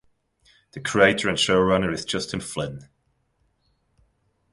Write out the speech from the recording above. The creator and showrunner is Justine Flynn.